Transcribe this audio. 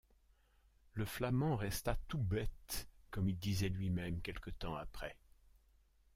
Le flamand resta « tout bête », comme il disait lui-même quelque temps après.